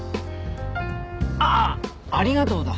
ああ「ありがとう」だ！